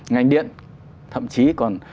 ngành điện thậm chí còn